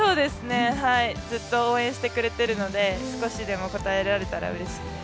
ずっと応援してくれてるので、少しでも応えられたらうれしいです。